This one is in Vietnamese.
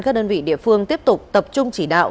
các đơn vị địa phương tiếp tục tập trung chỉ đạo